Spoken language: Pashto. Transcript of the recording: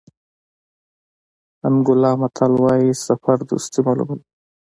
انګولا متل وایي سفر دوستي معلوموي.